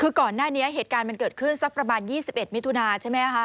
คือก่อนหน้านี้เหตุการณ์มันเกิดขึ้นสักประมาณ๒๑มิถุนาใช่ไหมคะ